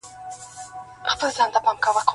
ګرانه دوسته! ځو جنت ته دریم نه سي ځايېدلای!!